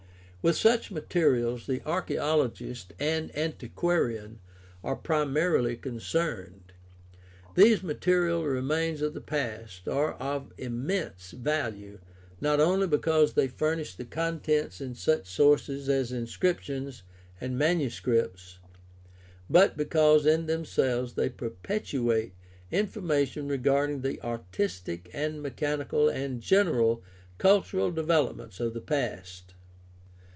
With such materials the archaeologist and antiquarian are primarily concerned. These material remains of the past are of im mense value, not only because they furnish the contents in such sources as inscriptions and manuscripts, but because in themselves they perpetuate information regarding the artistic and mechanical and general cultural developments of the past.